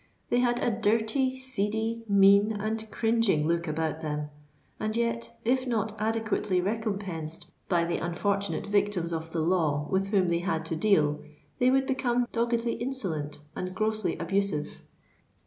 They had a dirty, seedy, mean, and cringing look about them; and yet, if not adequately recompensed by the unfortunate victims of the law with whom they had to deal, they would become doggedly insolent and grossly abusive.